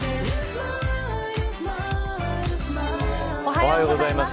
おはようございます。